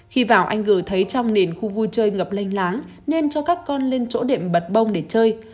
khi vào anh g thấy trong nền khu vui chơi ngập lanh láng nên cho các con lên chỗ điện bật bông để chơi